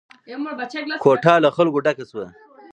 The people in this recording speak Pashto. کوټه له خلکو ډکه شوه.